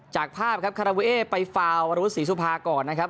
จากภาพครับคาราเวไปฟาวรุษศรีสุภาก่อนนะครับ